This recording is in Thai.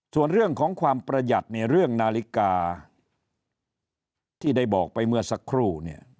ส่วนเรื่องของความประหยัดเนี่ยเรื่องนาฬิกาที่ได้บอกไปเมื่อสักครู่เนี่ย